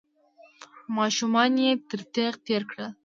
ماشومان يې تر تېغ تېر کړل.